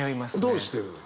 どうしてるのよ？